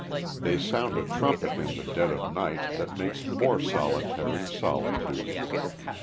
They sound a trumpet in the dead of night That makes more solitary solitude.